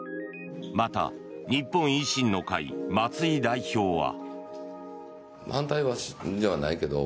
また、日本維新の会松井代表は。